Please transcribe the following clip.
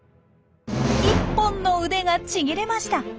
１本の腕がちぎれました。